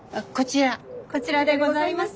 こちらでございます。